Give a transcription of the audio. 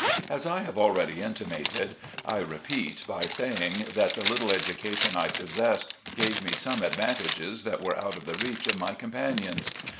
As I have already intima ted, I repeat, by saying, that the little education I possessed gave me some advantages that were out of the reach of my companions.